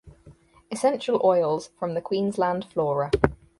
Essential oils from the Queensland flora.